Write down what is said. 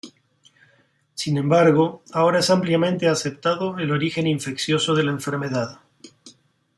Sin embargo, ahora es ampliamente aceptado el origen infeccioso de la enfermedad.